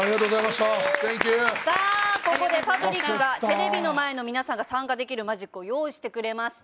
ここでパトリックがテレビの前で皆さんが参加できるマジックを用意してくれました。